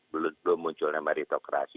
belum munculnya meritokrasi